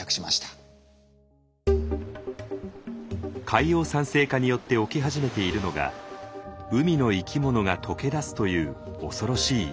海洋酸性化によって起き始めているのが海の生き物が溶けだすという恐ろしい異変です。